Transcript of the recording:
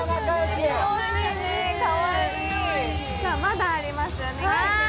まだあります、お願いします。